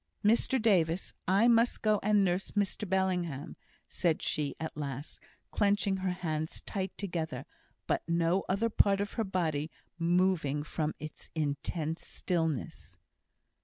"Mr Davis! I must go and nurse Mr Bellingham," said she at last, clenching her hands tight together, but no other part of her body moving from its intense stillness.